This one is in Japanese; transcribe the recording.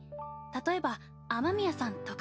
例えば雨宮さんとか。